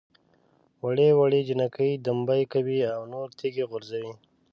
وړې وړې جنکۍ دمبۍ کوي او نور تیږه غورځوي.